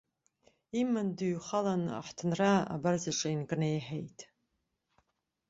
Иман дыҩхалан, аҳҭынра абарҵаҿы инкнеиҳаит.